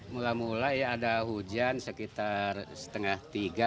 mula mula ya ada hujan sekitar setengah tiga